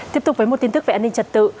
tiếp tục với một tin tức về an ninh trật tự